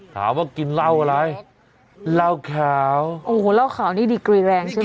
ถามว่ากินเหล้าอะไรเหล้าขาวโอ้โหเหล้าขาวนี่ดีกรีแรงใช่ไหม